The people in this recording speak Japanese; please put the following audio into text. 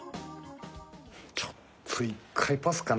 ちょっと１回パスかな。